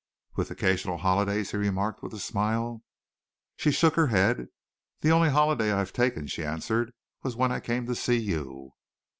"With occasional holidays," he remarked, with a smile. She shook her head. "The only holiday I have taken," she answered, "was when I came to see you."